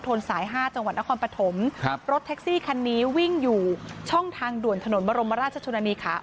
สายห้าจังหวัดนครปฐมครับรถแท็กซี่คันนี้วิ่งอยู่ช่องทางด่วนถนนบรมราชชนนานีขา